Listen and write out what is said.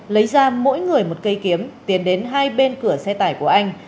lấy ra mỗi người một cây kiếm tiến đến hai bên cửa xe tải của anh